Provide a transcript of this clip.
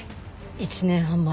１年半前。